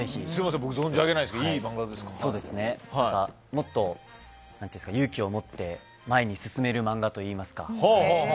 もっと勇気を持って前に進める漫画といいますか。